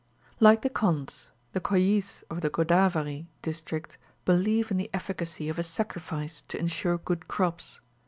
Like the Kondhs, the Koyis of the Godavari district believe in the efficacy of a sacrifice, to ensure good crops.